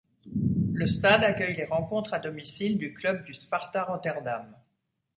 Le stade accueille les rencontres à domicile du club du Sparta Rotterdam.